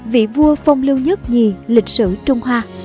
vị vua phong lưu nhất nhì lịch sử trung hoa